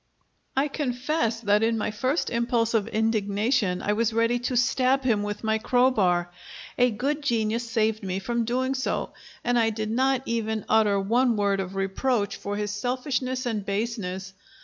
I confess that in my first impulse of indignation I was ready to stab him with my crowbar. A good genius saved me from doing so, and I did not even utter one word of reproach for his selfishness and baseness.